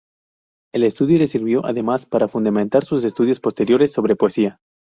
El estudio le sirvió además para fundamentar sus estudios posteriores sobre poesía.